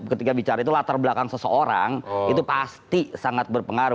ketika bicara itu latar belakang seseorang itu pasti sangat berpengaruh